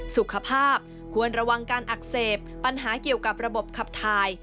สุขภาพควรระวังการอักเสบปัญหาเกี่ยวกับระบบขับทาย